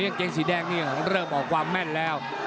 เกงสีแดงนี่เริ่มออกความแม่นแล้ว